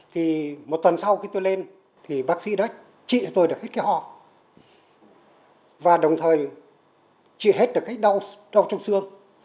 thì một tuần sau khi tôi lên thì bác sĩ đó trị cho tôi được hết cái hò và đồng thời trị hết được cái đau trong xương